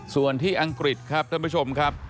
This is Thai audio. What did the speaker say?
ส่วนที่อังกฤษครับท่านผู้ชมครับ